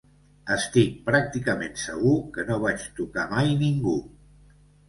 Estic pràcticament segur que no vaig tocar mai ningú.